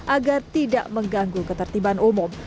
agar tidak mengganggu ketertiban umum